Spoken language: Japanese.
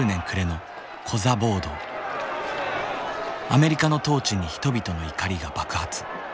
アメリカの統治に人々の怒りが爆発。